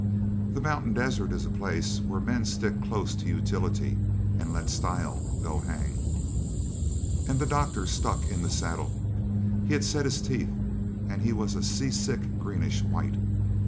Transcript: The mountain desert is a place where men stick close to utility and let style go hang. And the doctor stuck in the saddle. He had set his teeth, and he was a sea sick greenish white.